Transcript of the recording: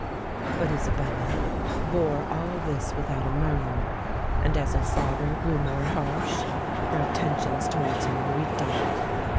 But Isabella bore all this without a murmur; and as her father grew more harsh, her attentions towards him were redoubled.